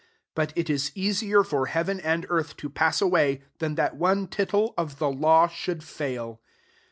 17 But it is easier for heaven and earth t^ pass away, than that one tittle of the law should fail.